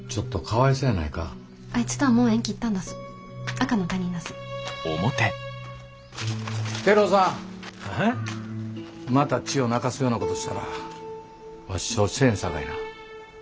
あん？また千代泣かすようなことしたらわし承知せえへんさかいな。